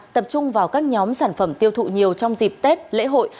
tập trung vào các nhóm sản phẩm tiêu thụ nhiều trong dịp tết lễ hội